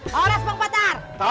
horas bang patar